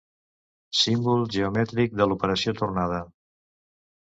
Símbol geomètric de l'operació tornada.